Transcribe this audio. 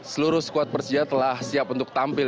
seluruh squad persija telah siap untuk tampil